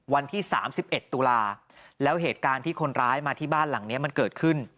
วันที่๓๑ตุลาแล้วเหตุการณ์ที่คนร้ายมาที่บ้านหลังนี้มันเกิดขึ้น